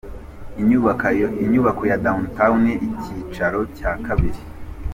Inyubako ya Downtown, icyiciro cya kabiri .